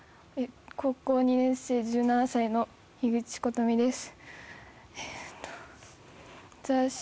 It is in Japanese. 高校２年生１７歳の樋口琴美です